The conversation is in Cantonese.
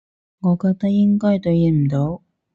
我覺得應該對應唔到